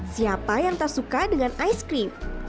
siapa yang tak suka dengan ice cream